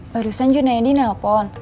barusan junayadi nelpon